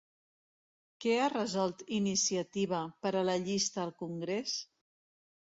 Què ha resolt Iniciativa per a la llista al congrés?